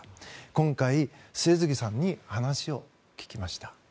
今回、末續さんに話を聞きました。